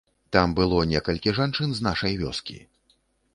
Там было некалькі жанчын з нашай вёскі.